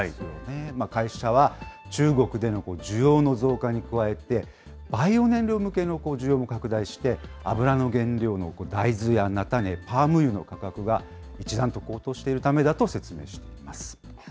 会社は中国での需要の増加に加えて、バイオ燃料向けの需要も拡大して、油の原料の大豆や菜種、パーム油の価格が一段と高騰しているためだと説明しています。